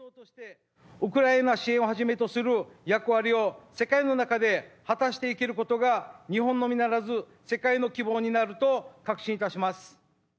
ウクライナ支援をはじめとする役割を世界の中で果たしていけることが、日本のみならず、世界の希望になると確信いたします。